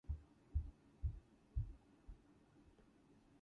A little hut is made for him on the bank of the river.